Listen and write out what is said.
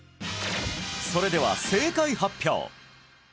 それでは正解発表